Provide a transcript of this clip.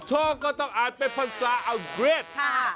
ประโชคก็ต้องอ่านเป็นภาษาอัลเกรด